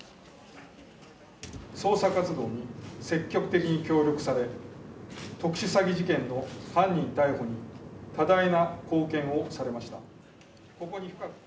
捜査活動に積極的に協力され、特殊詐欺事件の犯人逮捕に多大な貢献をされました。